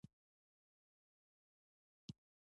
عبدالهادي هم هغه ته ډېر احترام درلود.